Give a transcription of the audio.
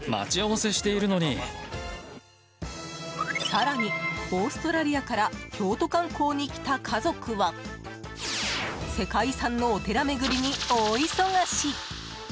更に、オーストラリアから京都観光に来た家族は世界遺産のお寺巡りに大忙し。